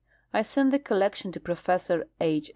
I sent the collection to Professor H.